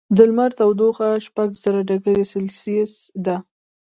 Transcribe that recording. د لمر تودوخه شپږ زره ډګري سیلسیس ده.